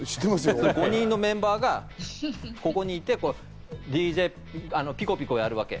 ５人のメンバーがここに行ってピコピコやるわけ。